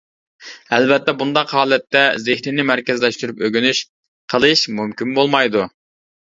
ئەلۋەتتە بۇنداق ھالەتتە زېھىننى مەركەزلەشتۈرۈپ ئۆگىنىش قىلىش مۇمكىن بولمايدۇ.